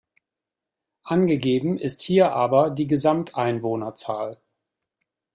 Angegeben ist hier aber die Gesamteinwohnerzahl.